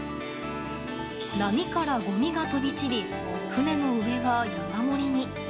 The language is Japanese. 波からごみが飛び散り船の上が山盛りに。